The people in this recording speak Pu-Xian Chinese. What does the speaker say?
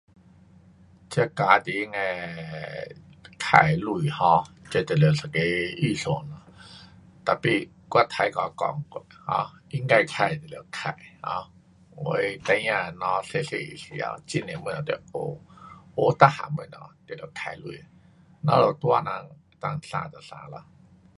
这家庭的花钱 um 这就得一个预算，tapi 我大概讲过，um 应该花就得花，um 因为孩儿才小小个时头，很多东西得学，学每样东西都得花钱。咱们大人能够省就省咯。